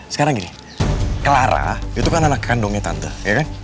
sekarang gini clara itu kan anak kandungnya tante ya kan